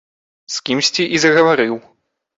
З кімсьці і загаварыў!